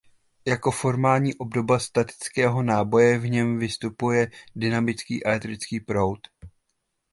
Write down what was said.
Jako formální obdoba "statického" náboje v něm vystupuje "dynamický" elektrický proud.